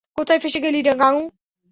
কোথায় ফেঁসে গেলি গাঙু!